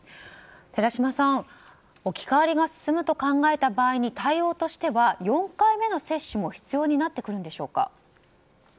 寺嶋さん置き換わりが進むと考えた場合対応としては４回目の接種も必要になってくるんでしょうか。